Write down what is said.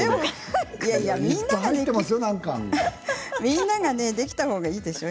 みんなができたほうがいいでしょう。